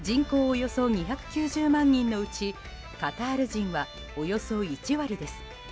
およそ２９０万人のうちカタール人は、およそ１割です。